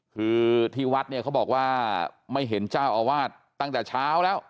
คือที่วัดเนี่ยเขาบอกว่าไม่เห็นเจ้าอาวาสตั้งแต่เช้าแล้ว